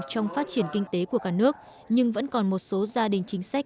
trong phát triển kinh tế của cả nước nhưng vẫn còn một số gia đình chính sách